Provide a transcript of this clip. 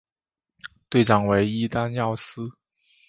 队长为伊丹耀司。